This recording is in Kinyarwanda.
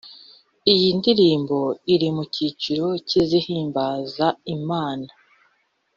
Iyi ndirimbo iri mu cyiciro cy’izihimbaza Imana